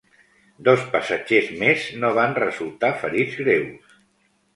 Dos passatgers més no van resultar ferits greus.